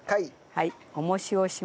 はい。